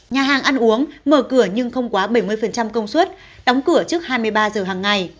nhà hàng ăn uống mở cửa nhưng không quá bảy mươi công suất đóng cửa trước hai mươi ba giờ hàng ngày